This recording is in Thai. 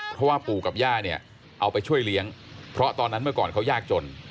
เพราะว่าปู่กับย่าเนี่ยเอาไปช่วยเลี้ยงเพราะตอนนั้นเมื่อก่อนเขายากจน